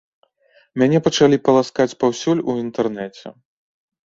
Мяне пачалі паласкаць паўсюль у інтэрнэце.